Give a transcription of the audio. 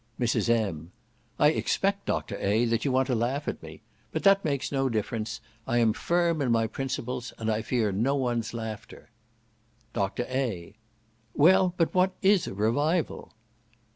Mrs. M. "I expect, Dr. A., that you want to laugh at me. But that makes no difference. I am firm in my principles, and I fear no one's laughter." Dr. A. "Well, but what is a revival?"